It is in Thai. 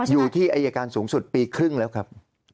อยู่ที่อายการสูงสุดปีครึ่งแล้วครับ